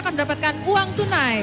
kedapatkan uang tunai